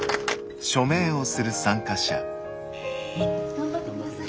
頑張ってください。